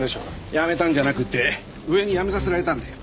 辞めたんじゃなくて上に辞めさせられたんだよ。